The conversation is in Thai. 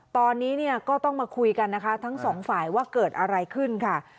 ตอนนี้เนี่ยก็ต้องมาคุยกันนะคะทั้งสองฝ่ายว่าเกิดอะไรขึ้นค่ะ